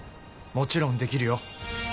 もちろんできるよ